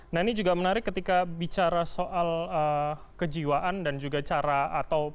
nah ini juga menarik ketika bicara soal kejiwaan dan juga cara atau